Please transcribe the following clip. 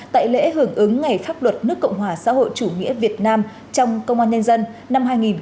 tại lễ hưởng ứng ngày pháp luật nước cộng hòa xã hội chủ nghĩa việt nam trong công an nhân dân năm hai nghìn hai mươi ba